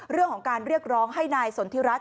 เรื่องของการเรียกร้องให้นายสนทิรัฐ